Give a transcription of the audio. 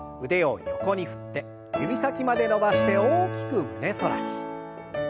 腕を横に振って指先まで伸ばして大きく胸反らし。